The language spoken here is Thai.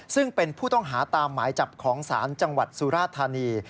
ซึ่งเป็นผู้ต้องหาตามหมายจับของศาลจังหวัดสุราธานี